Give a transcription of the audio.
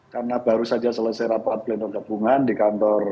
karena baru saja selesai rapat pleno gabungan di kantor dpw pkb